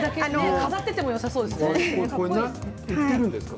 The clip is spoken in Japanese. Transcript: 飾っておいてもよさそうですね。